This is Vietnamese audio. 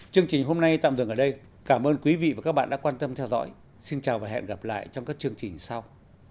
chương trình hôm nay tạm dừng ở đây cảm ơn quý vị và các bạn đã quan tâm theo dõi xin chào và hẹn gặp lại trong các chương trình sau